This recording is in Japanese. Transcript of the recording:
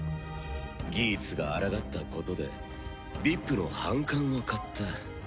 ギーツがあらがったことでＶＩＰの反感を買った。